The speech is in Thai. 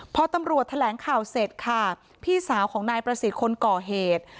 พอตำรวจแถลงข่าวเสร็จค่ะพี่สาวของนายประสิทธิ์คนก่อเหตุ